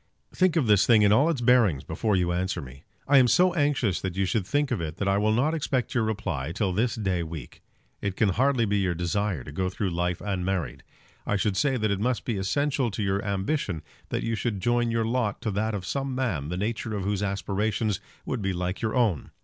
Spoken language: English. Think of this thing in all its bearings before you answer me. I am so anxious that you should think of it that I will not expect your reply till this day week. It can hardly be your desire to go through life unmarried. I should say that it must be essential to your ambition that you should join your lot to that of some man the nature of whose aspirations would be like to your own.